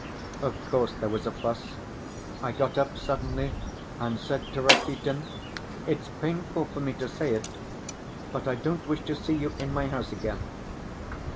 Of course, there was a fuss. I got up suddenly and said to Rakitin, 'It's painful for me to say it, but I don't wish to see you in my house again.